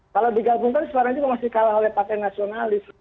kalau digabungkan suara itu masih kalah oleh partai nasionalis